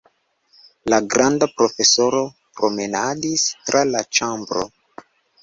La granda profesoro promenadis tra la ĉambro.